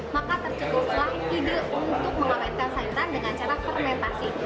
maka tercetuslah ide untuk mengawetkan sayuran dengan cara fermentasi